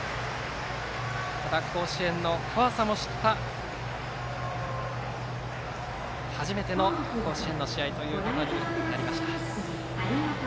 ただ甲子園の怖さも知った初めての甲子園の試合となりました。